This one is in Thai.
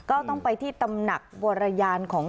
ก็ต้องไปที่ตำหนักวรยานของ